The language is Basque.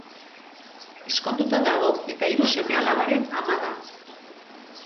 Ezkonduta dago eta hiru seme-alabaren ama da.